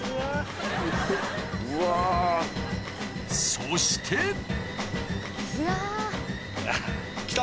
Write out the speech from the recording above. そして来た。